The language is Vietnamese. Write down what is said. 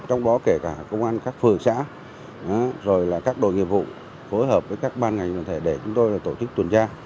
trong đó kể cả công an các phường xã rồi là các đội nghiệp vụ phối hợp với các ban ngành đoàn thể để chúng tôi tổ chức tuần tra